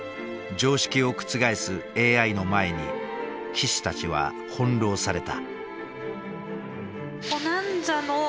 常識を覆すＡＩの前に棋士たちは翻弄された。